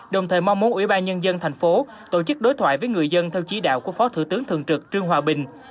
đồng thời mong muốn ủy ban nhân dân thành phố tổ chức đối thoại với người dân theo chỉ đạo của phó thủ tướng thường trực trương hòa bình